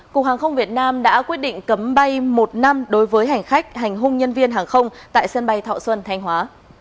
cục hàng không việt nam đã quyết định cấm bay một năm đối với hành khách hành hung nhân viên hàng không tại sân bay thọ xuân thanh hóa